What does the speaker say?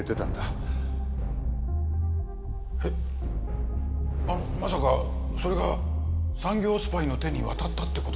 えっまさかそれが産業スパイの手に渡ったって事ですか？